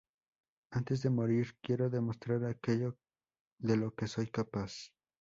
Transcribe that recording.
Antes de morir, quiero demostrar aquello de lo que soy capaz.